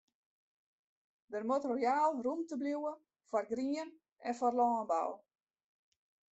Der moat royaal rûmte bliuwe foar grien en foar lânbou.